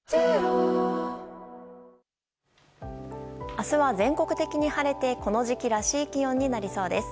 明日は全国的に晴れてこの時期らしい気温になりそうです。